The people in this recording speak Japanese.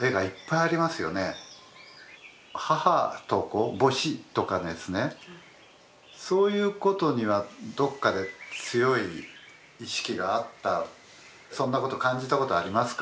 母と子母子とかですねそういうことにはどっかで強い意識があったそんなこと感じたことありますか？